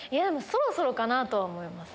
そろそろかなとは思います。